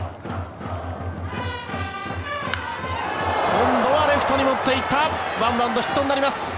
今度はレフトに持っていったワンバウンドヒットになります。